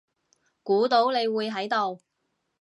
估到你會喺度